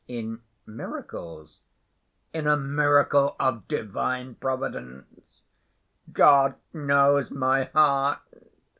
"In miracles?" "In a miracle of Divine Providence. God knows my heart.